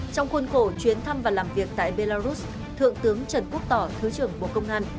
trong khuôn khổ chuyến thăm và làm việc tại belarus thượng tướng trần quốc tỏ thứ trưởng bộ công an